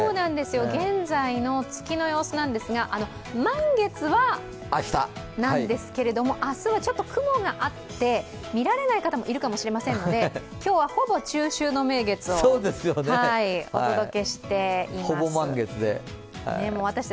現在の月の様子ですが満月は明日なんですけど、明日はちょっと雲があって見られない方もいるかもしれませんので、今日はほぼ中秋の名月をお届けしています。